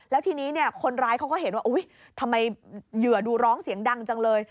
แล้วทีนี้เนี่ยคนร้ายเขาก็เห็นว่าทำไมเหยื่อดูร้องเสียงดังจังเลย